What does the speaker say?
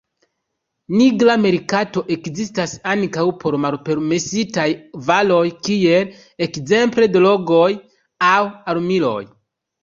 Nigra merkato ekzistas ankaŭ por malpermesitaj varoj kiel ekzemple drogoj aŭ armiloj.